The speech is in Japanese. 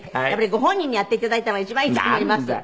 やっぱりご本人にやっていただいた方が一番いいと思います。